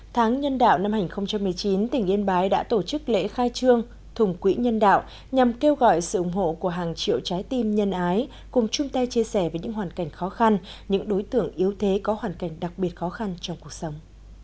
tháng nhân đạo năm hai nghìn một mươi chín tỉnh yên bái đã tổ chức lễ khai trương thùng quỹ nhân đạo nhằm kêu gọi sự ủng hộ của hàng triệu trái tim nhân ái cùng chung tay chia sẻ về những hoàn cảnh khó khăn những đối tượng yếu thế có hoàn cảnh đặc biệt khó khăn trong cuộc sống